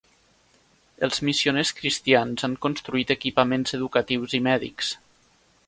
Els missioners cristians han construït equipaments educatius i mèdics.